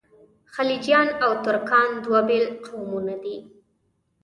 خلجیان او ترکان دوه بېل قومونه دي.